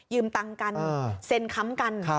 ตังค์กันเซ็นค้ำกัน